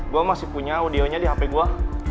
gue masih punya audionya di hp gue